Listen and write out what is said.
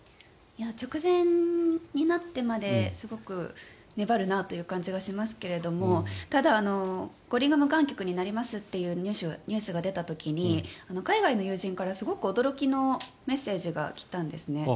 直前になってまですごく粘るなという感じがしますけどもただ、五輪が無観客になりますというニュースが出た時に海外の友人からすごく驚きのメッセージが来たんですね。